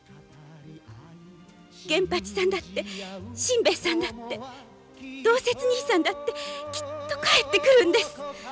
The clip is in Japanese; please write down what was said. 現八さんだって親兵衛さんだって道節兄さんだってきっと帰ってくるんです。